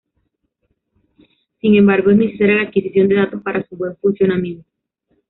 Sin embargo es necesaria la adquisición de datos para su buen funcionamiento.